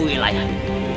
untuk mengambil air suci